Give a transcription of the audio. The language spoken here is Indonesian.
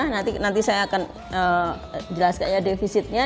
nanti saya akan jelaskan ya defisitnya